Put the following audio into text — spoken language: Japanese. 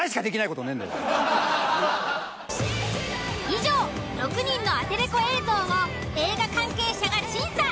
以上６人のアテレコ映像を映画関係者が審査。